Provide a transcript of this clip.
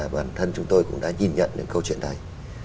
bản thân chúng tôi cũng đã nhìn nhận những câu chuyện này